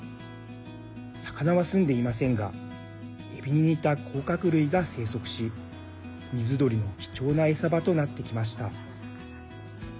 魚は住んでいませんがえびに似た甲殻類が生息し水鳥の貴重な餌場となってきました。